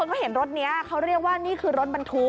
บางคนก็เห็นรถนี้เขาเรียกว่านี่คือรถบนถุก